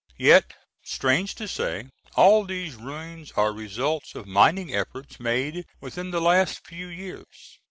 Yet, strange to say, all these ruins are results of mining efforts made within the last few years.